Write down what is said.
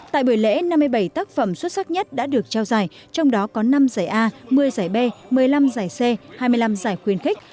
tại buổi lễ năm mươi bảy tác phẩm xuất sắc nhất đã được trao giải trong đó có năm giải a một mươi giải b một mươi năm giải c hai mươi năm giải khuyên khích